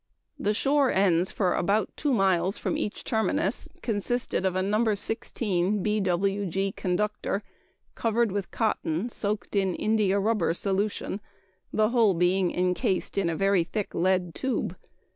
The shore ends for about two miles from each terminus consisted of a No. 16 B.W.G. conductor covered with cotton soaked in india rubber solution, the whole being incased in a very thick lead tube.